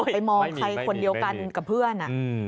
ไปมองใครคนเดียวกันกับเพื่อน